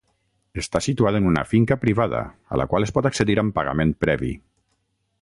Està situada en una finca privada, a la qual es pot accedir amb pagament previ.